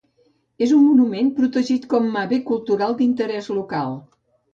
És un monument protegit com a bé cultural d'interès local.